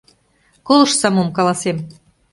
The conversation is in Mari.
Колыштса, мом каласем.